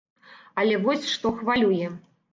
Але вось што хвалюе.